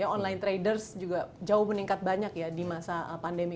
online traders juga jauh meningkat banyak ya di masa pandemi